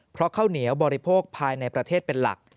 เพราะข้าวเหนียวบริโภคภายในประเทศเป็นหลัก